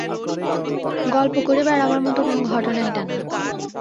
গল্প করে বেড়াবার মতো কোনো ঘটনা এটা না।